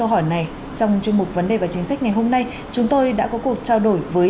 bạn nghe trong chương mục vấn đề và chính sách ngày hôm nay chúng tôi đã có cuộc trao đổi với